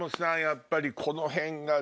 やっぱりこの辺が。